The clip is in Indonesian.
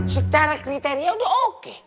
secara kriteria udah oke